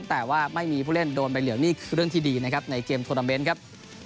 แต่ว่าไม่มีผู้เล่นโดนใบเหลืองนี่คือเรื่องที่ดีนะครับในเกมทวนาเมนต์ครับ